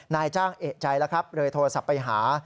นายจ้างเอกใจแล้วครับเลยโทรศัพท์ไปหา